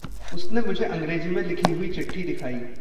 उसने मुझे अंग्रेज़ी में लिखी हुई चिट्ठी दिखाई।